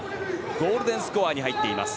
ゴールデンスコアに入っています